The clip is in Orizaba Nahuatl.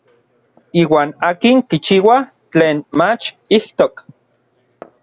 Iuan akin kichiua tlen mach ijtok.